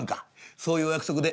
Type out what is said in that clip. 「そういうお約束で」。